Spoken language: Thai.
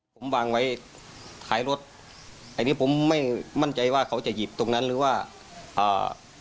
ผมวางไว้ท้ายรถอันนี้ผมไม่มั่นใจว่าเขาจะหยิบตรงนั้นหรือว่าอ่า